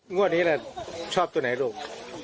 งวดนี้แหละชอบตัวไหนลูก